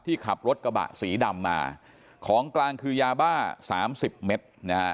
ที่ขับรถกระบะสีดำมาของกลางคือยาบ้า๓๐เมตร